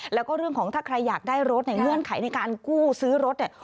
แล้วก็เรื่องของถ้าใครอยากได้รถเนี่ยเงื่อนไขในการกู้ซื้อรถเนี่ย